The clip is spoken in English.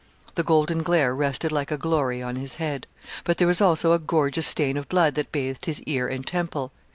'_ The golden glare rested like a glory on his head; but there was also a gorgeous stain of blood that bathed his ear and temple.